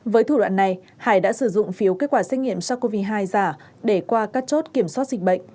với thủ đoạn này hải đã sử dụng phiếu kết quả xét nghiệm sars cov hai giả để qua các chốt kiểm soát dịch bệnh